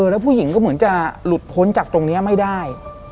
แล้วผู้หญิงก็เหมือนจะหลุดพ้นจากตรงนี้ไม่ได้